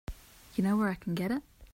You know where I can get it?